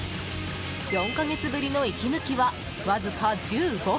４か月ぶりの息抜きはわずか１５分。